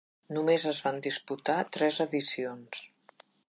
Només es van disputar tres edicions.